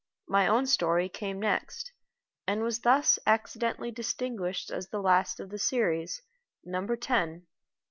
My own story came next, and was thus accidentally distinguished as the last of the series Number Ten.